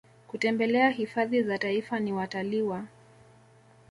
kutembelea hifadhi za Taifa ni watalii wa